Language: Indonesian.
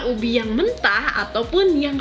ubi yang mentah ataupun yang